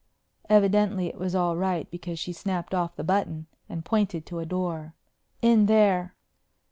Evidently it was all right because she snapped off the button and pointed to a door. "In there."